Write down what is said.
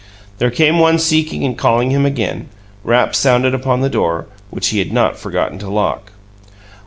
There came one seeking and calling him again; raps sounded upon the door, which he had not forgotten to lock.